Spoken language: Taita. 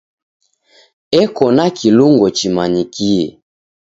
Eko na kilungo chimanyikie.